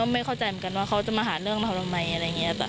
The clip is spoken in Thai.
ไม่เข้าใจเหมือนกันว่าเขาจะมาหาเรื่องเราทำไมอะไรอย่างนี้